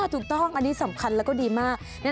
ถูกต้องอันนี้สำคัญแล้วก็ดีมาก